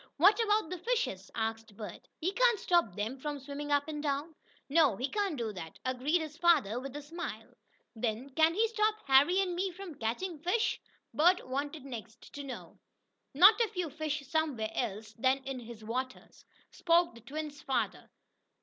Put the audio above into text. "What about the fishes?" asked Bert "He can't stop them from swimming up and down." "No, he can't do that," agreed his father, with a smile. "Then can he stop Harry and me from catching fish?" Bert wanted next to know. "Not if you fish somewhere else than in his waters," spoke the twins' father.